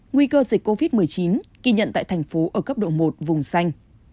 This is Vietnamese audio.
nguy cơ dịch covid một mươi chín ghi nhận tại thành phố ở cấp độ một vùng xanh